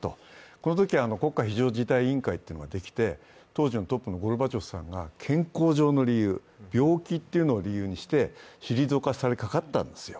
このときは国家非常事態委員会ができて、当時のトップのゴルバチョフさんが健康上の理由、病気を理由にして退かされかかったんですよ。